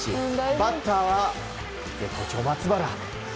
バッターは絶好調、松原。